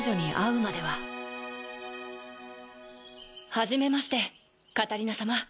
はじめましてカタリナ様。